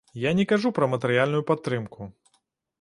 Я не кажу пра матэрыяльную падтрымку.